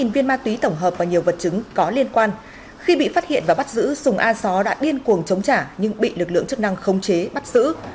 sáu viên ma túy tổng hợp và nhiều vật chứng có liên quan khi bị phát hiện và bắt giữ sùng a só đã điên cuồng chống trả nhưng bị lực lượng chức năng không chế bắt sử